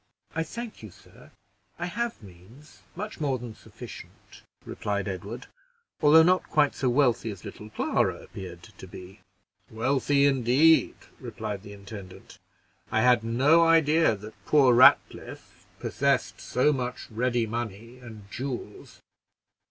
"I thank you, sir, I have means, much more than sufficient," replied Edward, "although not quite so wealthy as little Clara appeared to be." "Wealthy, indeed!" replied the intendant. "I had no idea that poor Ratcliffe possessed so much ready money and jewels.